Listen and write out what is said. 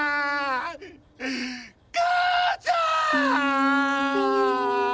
母ちゃん！